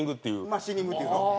マシニングっていうの？